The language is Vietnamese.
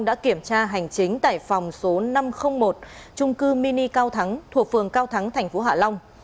đã kiểm tra hành chính tại phòng số năm trăm linh một trung cư mini cao thắng thuộc phường cao thắng thành phố hạ long